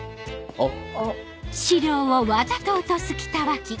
あっ。